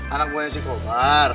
anak gue si kobar